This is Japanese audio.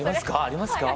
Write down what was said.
ありますか？